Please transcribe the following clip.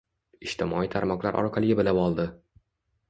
Ijtimoiy tarmoqlar orqali bilib oldi